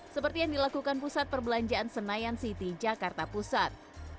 seperti yang dilakukan pusat perbelanjaan senayan city jakarta pusat